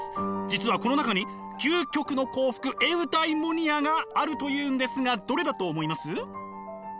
実はこの中に究極の幸福エウダイモニアがあるというんですがどれだと思います？